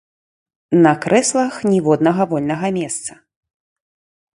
На крэслах ніводнага вольнага месца.